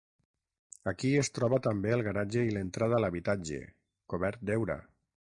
Aquí es troba també el garatge i l'entrada a l'habitatge, cobert d'heura.